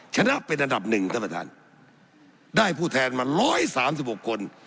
ชนะเป็นอันดับหนึ่งท่านประธานได้ผู้แทนมา๑๓๖คน